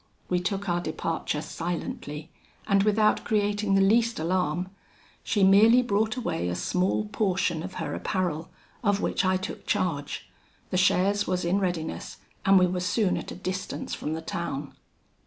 We took our departure silently, and without creating the least alarm. She merely brought away a small portion of her apparel, of which I took charge. The chaise was in readiness, and we were soon at a distance from the town.